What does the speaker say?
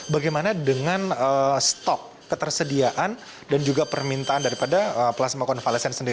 bagaimana dengan stok ketersediaan dan juga permintaan daripada plasma konvalesen sendiri